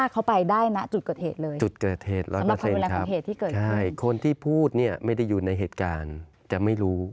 คือความรุนแรง